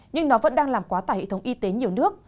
nhưng nó vẫn đang làm quá tải hệ thống y tế nhiều nước